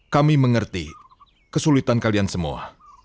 kami mengerti kesulitan kalian semua